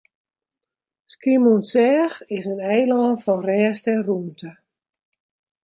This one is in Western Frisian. Skiermûntseach is in eilân fan rêst en rûmte.